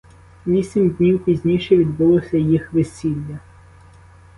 Вісім днів пізніше відбулося їх весілля.